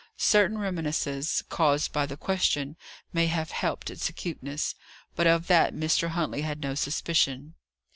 Certain reminiscences, caused by the question, may have helped its acuteness; but of that Mr. Huntley had no suspicion.